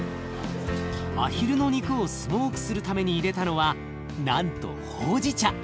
あひるの肉をスモークするために入れたのはなんとほうじ茶。